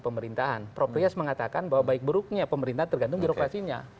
dan pemerintahan proprias mengatakan bahwa baik buruknya pemerintah tergantung birokrasinya